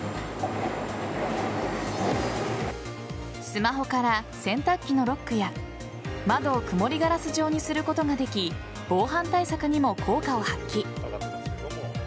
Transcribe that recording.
スマホから洗濯機のロックや窓を曇りガラス状にすることができ防犯対策にも効果を発揮。